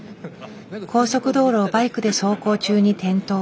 高速道路をバイクで走行中に転倒。